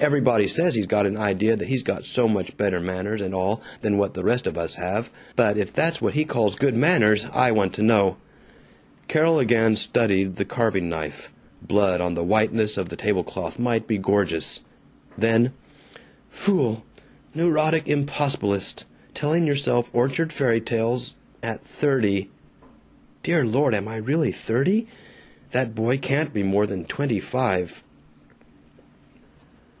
Everybody says he's got an idea that he's got so much better manners and all than what the rest of us have, but if that's what he calls good manners, I want to know!" Carol again studied the carving knife. Blood on the whiteness of a tablecloth might be gorgeous. Then: "Fool! Neurotic impossibilist! Telling yourself orchard fairy tales at thirty. ... Dear Lord, am I really THIRTY? That boy can't be more than twenty five."